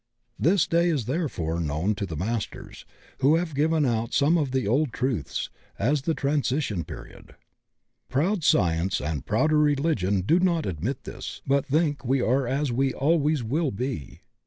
This day is therefore known to the Masters, who have given out some of the old truths, as the "transition period." Proud science and prouder religion do not admit this, but think we are as we always will be.